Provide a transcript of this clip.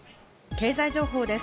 経済情報です。